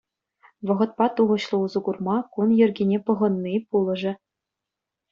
Вӑхӑтпа тухӑҫлӑ усӑ курма кун йӗркине пӑхӑнни пулӑшӗ.